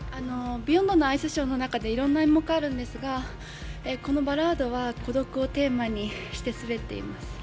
「ＢＥＹＯＮＤ」のアイスショーの中でいろんな演目があるんですが、この「バラード」は孤独をテーマにしています。